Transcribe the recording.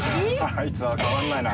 あいつは変わんないな。